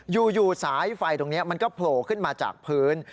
อยู่สายไฟตรงนี้มันก็โผล่ขึ้นมาจากพื้น